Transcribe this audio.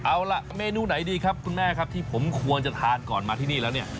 เอาล่ะเมนูไหนดีครับคุณแม่ครับที่ผมควรจะทานก่อนมาที่นี่แล้วเนี่ย